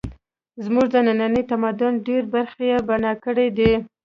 زموږ د ننني تمدن ډېرې برخې یې بنا کړې دي